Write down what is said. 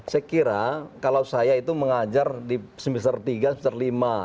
saya kira kalau saya itu mengajar di semester tiga semester lima